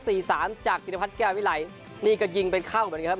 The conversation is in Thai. สี่สามจากดินพัทแก้วทีไหวไหนนี่ก็ยิงเป็นเข้าเหมือนกันกันครับ